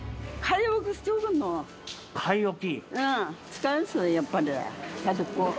買い置き？